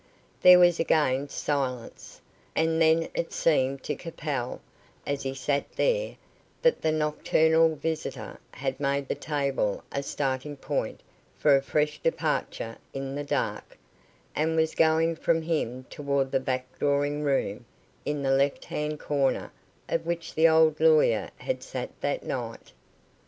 There was again silence, and then it seemed to Capel, as he sat there, that the nocturnal visitor had made the table a starting point for a fresh departure in the dark, and was going from him toward the back drawing room, in the left hand corner of which the old lawyer had sat that night.